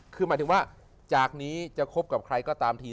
คือหมายถึงว่าจากนี้จะคบกับใครก็ตามที